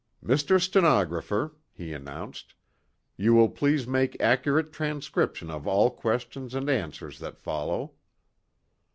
"Mr. Stenographer," he announced, "you will please make accurate transcription of all questions and answers that follow."